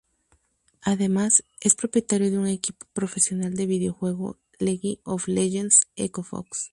Además, es propietario de un equipo profesional del videojuego League of Legends, Echo Fox.